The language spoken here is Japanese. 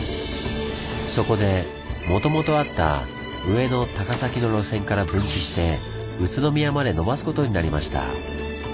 そこでもともとあった上野−高崎の路線から分岐して宇都宮まで延ばすことになりました。